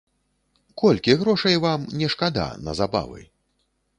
Колькі грошай вам не шкада на забавы?